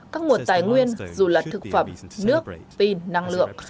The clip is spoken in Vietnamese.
các nguồn tài nguyên dù là thực phẩm nước pin năng lượng